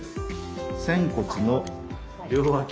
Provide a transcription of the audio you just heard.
仙骨の両脇。